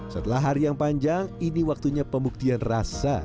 setelah hari yang panjang ini waktunya pembuktian rasa